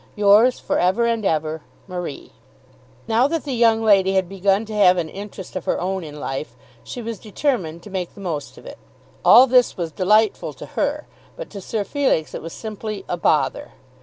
Yours for ever and ever, MARIE. Now that the young lady had begun to have an interest of her own in life, she was determined to make the most of it. All this was delightful to her, but to Sir Felix it was simply "a bother."